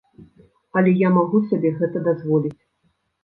Але я магу сабе гэта дазволіць.